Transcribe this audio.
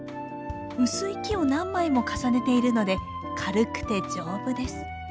薄い木を何枚も重ねているので軽くて丈夫です。